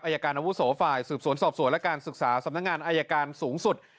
อายการอาวุโสฝ่ายสืบสวนสอบสวนและการศึกษาสำนักงานอายการสูงสุด